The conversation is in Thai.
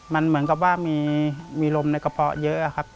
มันเหมือนกับว่ามีลมในกระเพาะเยอะครับ